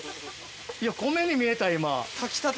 いや米に見えた今。